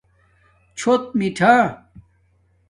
چھݸت میٹھہ